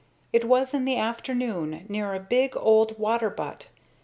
It was in the afternoon near a big old water butt.